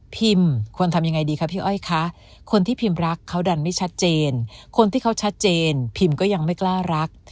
ควรทำยังไงดีคะพี่อ้อยคะคนที่พิมรักเขาดันไม่ชัดเจนคนที่เขาชัดเจนพิมก็ยังไม่กล้ารัก